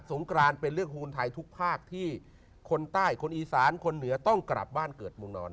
งกรานเป็นเรื่องโฮนไทยทุกภาคที่คนใต้คนอีสานคนเหนือต้องกลับบ้านเกิดเมืองนอน